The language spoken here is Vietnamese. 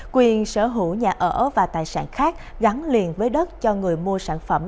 quyền sở hữu nhà ở và tài sản khác gắn liền với đất cho người mua sản phẩm